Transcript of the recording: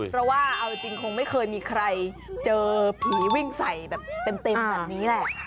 เพราะว่าเอาจริงคงไม่เคยมีใครเจอผีวิ่งใส่แบบเต็มแบบนี้แหละ